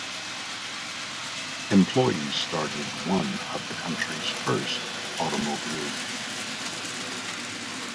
Employees started one of the country's first automobile unions.